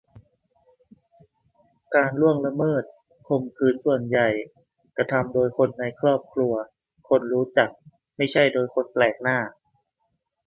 การล่วงละเมิด-ข่มขืนส่วนใหญ่กระทำโดยคนในครอบครัว-คนรู้จัก ไม่ใช่โดยคนแปลกหน้า